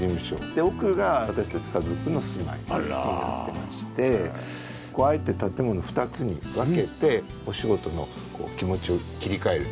で奥が私たち家族の住まいになってましてこうあえて建物を２つに分けてお仕事の気持ちを切り替える。